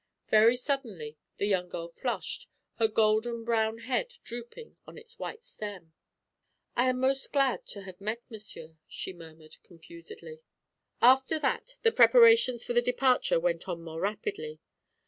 Very suddenly the young girl flushed, her golden brown head drooping on its white stem. "I am most glad to have met monsieur," she murmured confusedly. After that the preparations for the departure went on more rapidly.